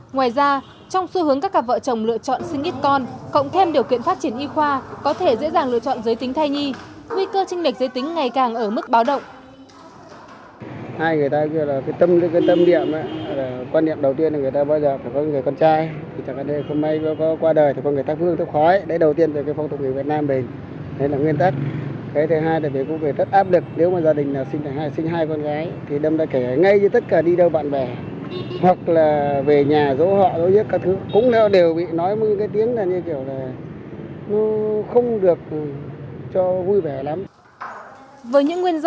ngoài ra trong xu hướng các cặp vợ chồng lựa chọn sinh ít con cộng thêm điều kiện phát triển y khoa có thể dễ dàng lựa chọn giới tính thay nhi nguy cơ trinh lệch giới tính ngày càng ở mức báo động